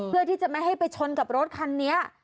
เพื่อที่จะไม่ให้ไปชนกับรถคันนี้